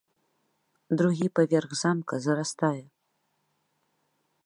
Другі паверх замка зарастае.